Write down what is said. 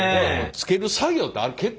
つける作業って結構ね。